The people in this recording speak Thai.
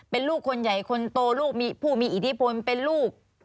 เป็นลูกคนใหญ่คนโตลูกมีผู้มีอิทธิพลเป็นลูก